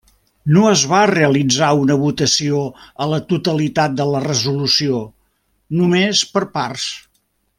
No es va realitzar una votació a la totalitat de la resolució, només per parts.